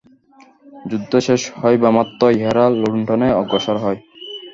যুদ্ধ শেষ হইবামাত্র ইহারা লুণ্ঠনে অগ্রসর হয়।